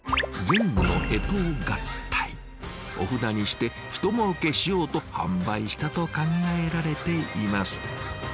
お札にしてひともうけしようと販売したと考えられています。